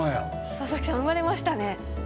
佐々木さん生まれましたね。